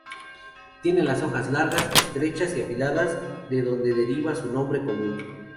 Tiene las hojas largas, estrechas y afiladas de donde deriva su nombre común.